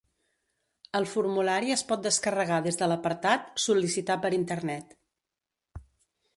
El formulari es pot descarregar des de l'apartat "Sol·licitar per Internet".